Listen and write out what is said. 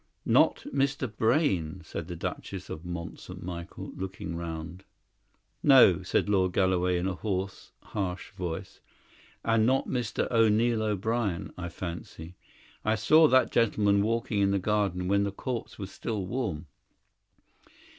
"Not Mr. Brayne," said the Duchess of Mont St. Michel, looking round. "No," said Lord Galloway in a hoarse, harsh voice. "And not Mr. Neil O'Brien, I fancy. I saw that gentleman walking in the garden when the corpse was still warm."